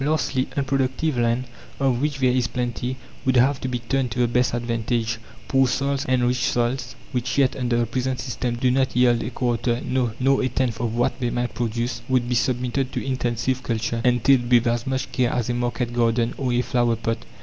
Lastly, unproductive land, of which there is plenty, would have to be turned to the best advantage, poor soils enriched, and rich soils, which yet, under the present system, do not yield a quarter, no, nor a tenth of what they might produce, would be submitted to intensive culture, and tilled with as much care as a market garden or a flower pot.